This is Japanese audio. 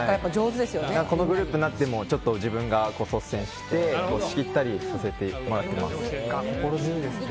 このグループになっても自分が率先して仕切ったりさせてもらってます。